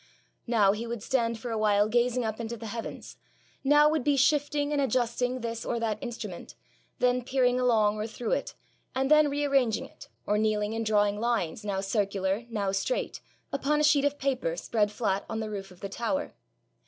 Now he would stand for a while gazing up into the heavens, now would be shifting and adjusting this or that instrument, then peering along or through it, and then re arranging it, or kneeling and drawing lines, now circular, now straight, upon a sheet of paper spread flat on the roof of the tower.